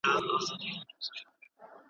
عدالت باید د ټولو لپاره وي.